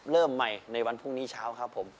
เริ่มใหม่ในวันพรุ่งนี้เช้าครับผม